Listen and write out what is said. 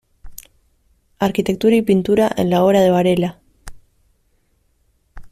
Arquitectura y Pintura en la obra de Varela.